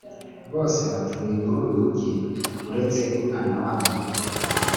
bose batuye muri uyu mugi uretse umwana wabo muto